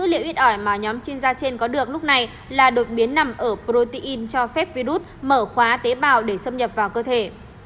dữ liệu ít ỏi mà nhóm chuyên gia trên có được lúc này là đột biến nằm ở protein cho phép virus mở khóa tế bào để xâm nhập vào cơ thể